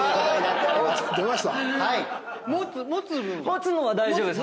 持つのは大丈夫です。